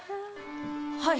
はい。